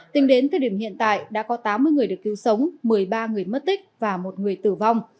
tính đến thời điểm hiện tại đã có tám mươi người được cứu sống một mươi ba người mất tích và một người tử vong